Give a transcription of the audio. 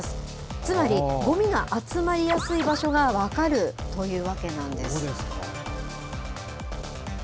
つまりごみが集まりやすい場所が分かるというわけなんです。